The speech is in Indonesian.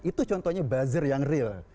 itu contohnya buzzer yang real